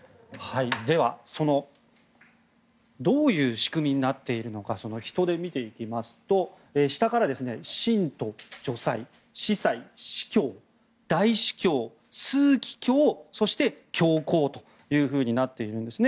では、どういう仕組みになっているのか見ていきますと下から信徒、助祭、司祭司教、大司教枢機卿、そして教皇となっているんですね。